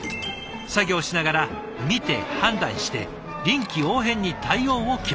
作業しながら見て判断して臨機応変に対応を決める。